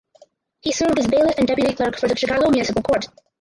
He served as bailiff and deputy clerk for the Chicago Municipal Court.